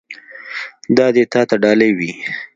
دا دې تا ته ډالۍ وي.